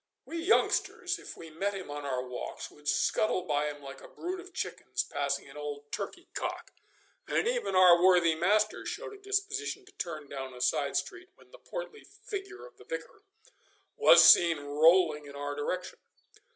We youngsters, if we met him on our walks, would scuttle by him like a brood of chickens passing an old turkey cock, and even our worthy master showed a disposition to turn down a side street when the portly figure of the Vicar was seen rolling in our direction.